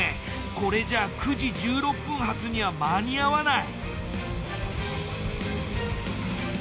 これじゃ９時１６分発には間に合わない。